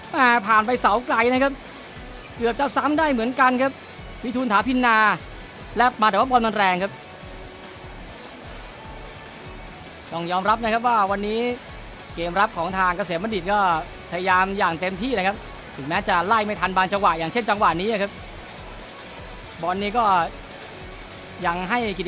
เมื่อสักครู่ตัดกลับมาอีกทีนึง